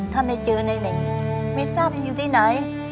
ถ้าไม่เจอในเด็กไม่ทราบจะอยู่ที่ไหน